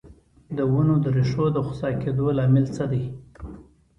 د ونو د ریښو د خوسا کیدو لامل څه دی؟